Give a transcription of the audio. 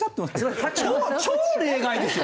超超例外ですよ！